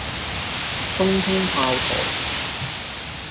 東涌炮台